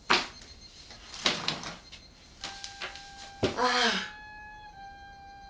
ああ。